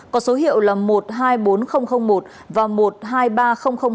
có số hiệu là một hai triệu liều vaccine phòng covid một mươi chín